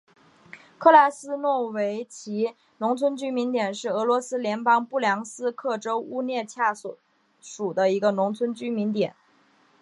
克拉斯诺维奇农村居民点是俄罗斯联邦布良斯克州乌涅恰区所属的一个农村居民点。